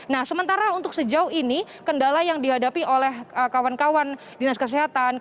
nah sementara untuk sejauh ini kendala yang dihadapi oleh kawan kawan dinas kesehatan